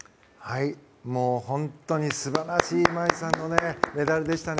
本当に素晴らしい茉愛さんのメダルでしたね。